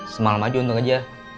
semalam aja untuk kerja